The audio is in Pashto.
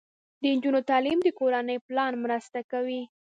د نجونو تعلیم د کورنۍ پلان مرسته کوي.